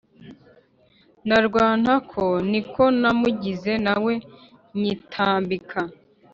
Na Rwantako niko namugize nawe nyitambika